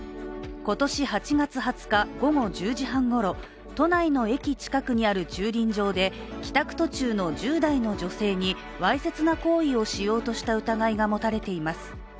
今年８月２０日午後１０時半ごろ都内の駅近くにある駐輪場で帰宅途中の１０代の女性にわいせつな行為をしようとした疑いが持たれています。